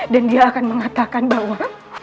dia akan mengatakan bahwa